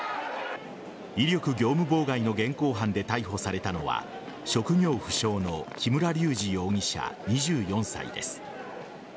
威力業務妨害の現行犯で逮捕されたのは職業不詳の木村隆二容疑者、２４歳です。